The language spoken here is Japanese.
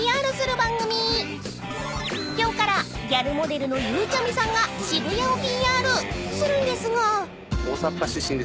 ［今日からギャルモデルのゆうちゃみさんが渋谷をＰＲするんですが］